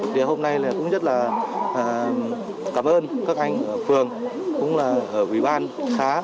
thì hôm nay cũng rất là cảm ơn các anh ở phường cũng là ở ủy ban xá